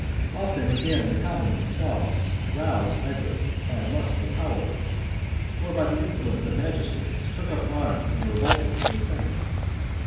Often, again, the commons them selves, roused either by a lust for power, or by the insolence of magistrates, took up arms, and revolted from the Senate.